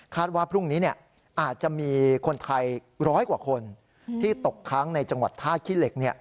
ว่าพรุ่งนี้อาจจะมีคนไทยร้อยกว่าคนที่ตกค้างในจังหวัดท่าขี้เหล็ก